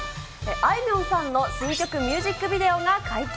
あいみょんさんの新曲ミュージックビデオが解禁。